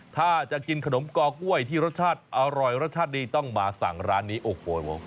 ถ้าจะกินขนมกอกล้วยที่รสชาติอร่อยรสชาติดีต้องมาสั่งร้านนี้โอ้โห